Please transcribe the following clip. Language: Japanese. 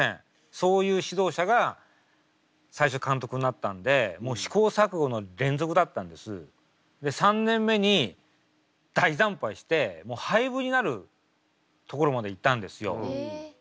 そういう指導者が最初監督になったんで３年目に大惨敗してもう廃部になるところまでいったんですよ。